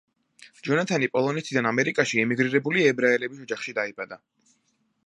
ჯონათანი პოლონეთიდან ამერიკაში ემიგრირებული ებრაელების ოჯახში დაიბადა.